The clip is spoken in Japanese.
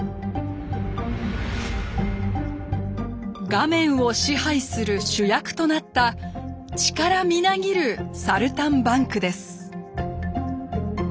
画面を支配する主役となった力みなぎるサルタンバンクです。